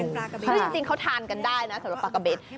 ซึ่งจริงเขาทานกันได้นะส่วนส่วนปลากะเบน